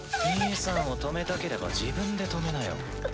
兄さんを止めたければ自分で止めなよ。